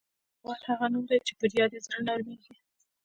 هېواد هغه نوم دی چې پر یاد یې زړه نرميږي.